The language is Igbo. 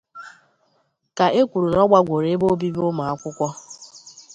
ka e kwuru na ọ gbagwòrò ebe obibo ụmụakwụkwọ